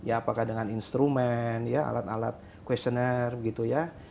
apakah dengan instrumen alat alat questionnaire gitu ya